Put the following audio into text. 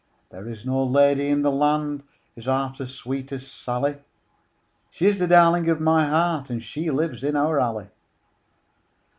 There is no lady in the land Is half so sweet as Sally; She is the darling of my heart, And she lives in our alley.